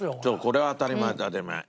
これは当たり前当たり前。